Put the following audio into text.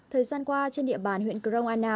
thời gian qua trên địa bàn huyện cromana